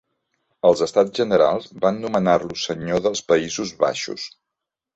Els Estats Generals van nomenar-lo senyor dels Països Baixos.